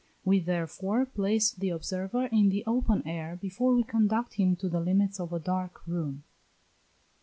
We, therefore, place the observer in the open air before we conduct him to the limits of a dark room.